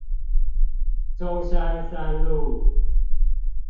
中山三路